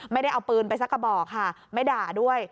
ไม่ได้เอาปืนไปสักกระบอกค่ะไม่ด่าด้วย